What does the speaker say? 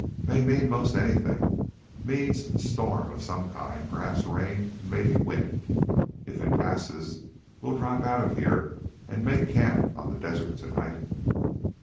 "May mean most anything. Means storm of some kind perhaps rain, and maybe wind. If it passes, we'll drop out of here and make camp on the desert to night."